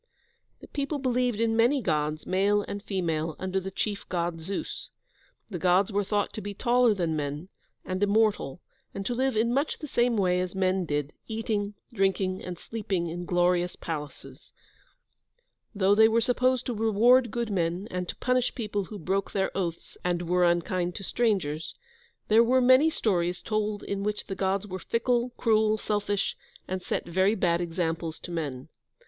The people believed in many Gods, male and female, under the chief God, Zeus. The Gods were thought to be taller than men, and immortal, and to live in much the same way as men did, eating, drinking, and sleeping in glorious palaces. Though they were supposed to reward good men, and to punish people who broke their oaths and were unkind to strangers, there were many stories told in which the Gods were fickle, cruel, selfish, and set very bad examples to men.